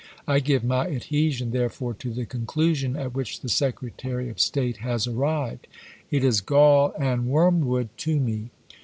I give my adhesion, therefore, to the conclusion at which the Secre tary of State has arrived. It is gall and wormwood to me.